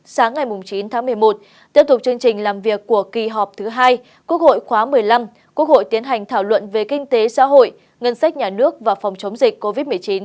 sáng ngày chín tháng một mươi một tiếp tục chương trình làm việc của kỳ họp thứ hai quốc hội khóa một mươi năm quốc hội tiến hành thảo luận về kinh tế xã hội ngân sách nhà nước và phòng chống dịch covid một mươi chín